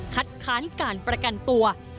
ค้านการประกันตัว